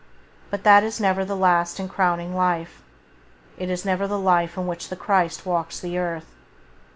But that is never the last and crowning life, it is never the life in which the Christ walks the earth.